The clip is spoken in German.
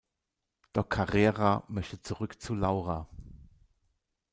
Doch Carrera möchte zurück zu Laura.